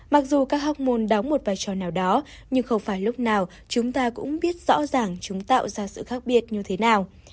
mặc dù các học môn đóng một vai trò nào đó nhưng không phải lúc nào chúng ta cũng biết rõ ràng chúng tạo ra sự khác biệt như thế nào